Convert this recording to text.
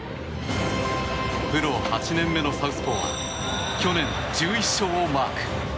プロ８年目のサウスポーは去年、１１勝をマーク。